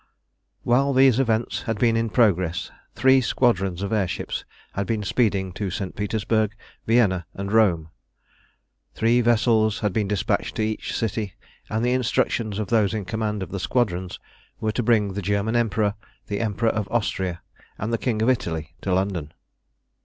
While these events had been in progress three squadrons of air ships had been speeding to St. Petersburg, Vienna, and Rome. Three vessels had been despatched to each city, and the instructions of those in command of the squadrons were to bring the German Emperor, the Emperor of Austria, and the King of Italy to London.